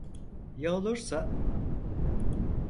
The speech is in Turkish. Ya olursa?